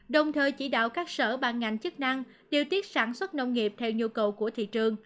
đồng thời chỉ đạo các sở ban ngành chức năng điều tiết sản xuất nông nghiệp theo nhu cầu của thị trường